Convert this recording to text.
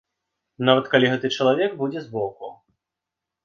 Нават калі гэты чалавек будзе збоку.